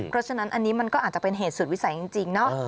เพราะฉะนั้นอันนี้มันก็อาจจะเป็นเหตุสุดวิสัยจริงเนาะ